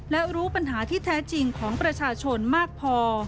และรู้ปัญหาที่แท้จริงของประชาชนมากพอ